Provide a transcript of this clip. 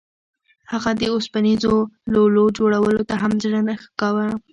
هغه د اوسپنیزو لولو جوړولو ته هم زړه نه ښه کاوه